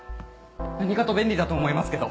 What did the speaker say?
何かと便利だと思いますけど。